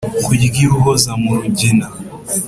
Kurya iruhoza mu rugina